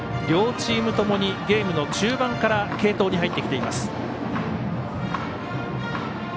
両チームともにゲームの中盤から継投に入ってきています。